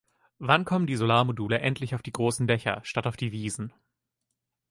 Wann kommen die Solarmodule endlich auf die großen Dächer statt auf die Wiesen?